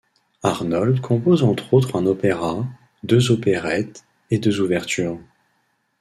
Arnold compose entre autres un opéra, deux opérettes et deux ouvertures.